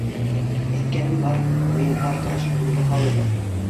Әйткәнем бар, мин бар тырышлығымды һалырмын.